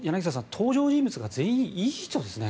登場人物が全員いい人ですね。